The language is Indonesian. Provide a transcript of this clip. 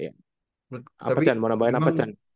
apa can mau nambahin apa can